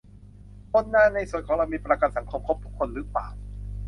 คนงานในสวนของเรามีประกันสังคมครบทุกคนรึเปล่า